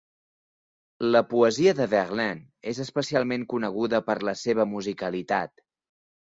La poesia de Verlaine és especialment coneguda per la seva musicalitat.